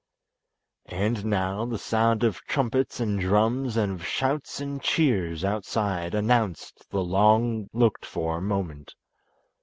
And now the sound of trumpets and drums and of shouts and cheers outside announced the long looked for moment.